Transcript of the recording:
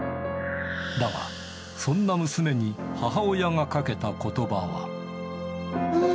だが、そんな娘に母親がかけたことばは。